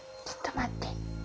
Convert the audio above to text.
ちょっと待って。